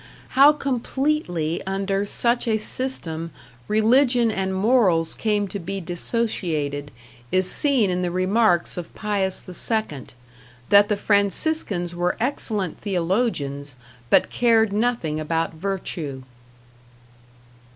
How completely under such a system religion and morals came to be dissociated is seen in the remarks of Pius II, that the Franciscans were excellent theologians, but cared nothing about virtue.